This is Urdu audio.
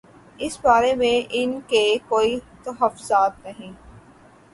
اس بارے میں ان کے کوئی تحفظات نہیں۔